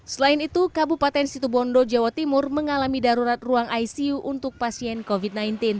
selain itu kabupaten situbondo jawa timur mengalami darurat ruang icu untuk pasien covid sembilan belas